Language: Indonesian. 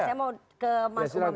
saya mau ke mas umam